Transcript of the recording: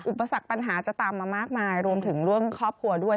อุปสรรคปัญหาจะตามมามากมายรวมถึงเรื่องครอบครัวด้วย